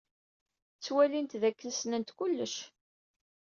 Ttwalint dakken ssnent kullec.